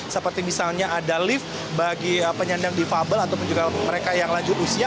seperti misalnya ada lift bagi penyandang difabel ataupun juga mereka yang lanjut usia